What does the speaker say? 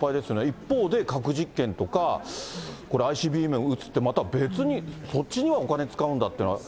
一方で核実験とかこれ、ＩＣＢＭうつって、また別に、そっちにはお金使うんだってね。